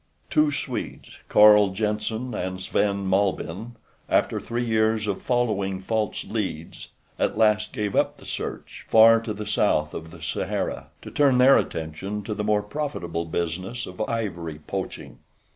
Two Swedes, Carl Jenssen and Sven Malbihn, after three years of following false leads at last gave up the search far to the south of the Sahara to turn their attention to the more profitable business of ivory poaching.